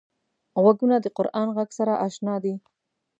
غوږونه د قران غږ سره اشنا دي